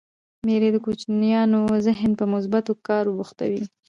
مېلې د کوچنيانو ذهن په مثبتو کارو بوختوي.